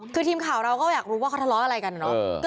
คือทีมข่าวเราก็อยากรู้ว่าเขาทะเลาะอะไรกันอะเนาะ